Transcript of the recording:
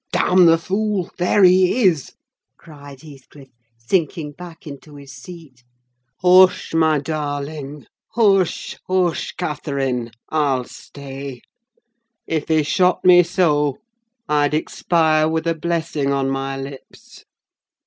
"Damn the fool! There he is," cried Heathcliff, sinking back into his seat. "Hush, my darling! Hush, hush, Catherine! I'll stay. If he shot me so, I'd expire with a blessing on my lips."